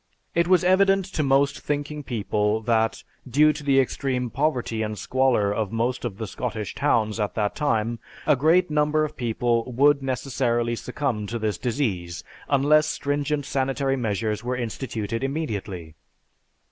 It was evident to most thinking people that, due to the extreme poverty and squalor of most of the Scottish towns at that time, a great number of people would necessarily succumb to this disease unless stringent sanitary measures were instituted immediately.